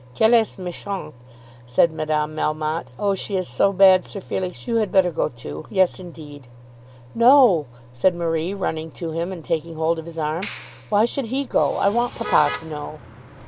"Qu'elle est méchante," said Madame Melmotte. "Oh, she is so bad. Sir Felix, you had better go too. Yes, indeed." "No," said Marie, running to him, and taking hold of his arm. "Why should he go? I want papa to know."